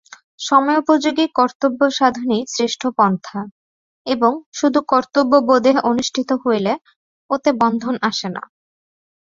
সময়োপযোগী কর্তব্যসাধনই শ্রেষ্ঠ পন্থা এবং শুধু কর্তব্যবোধে অনুষ্ঠিত হলে ওতে বন্ধন আসে না।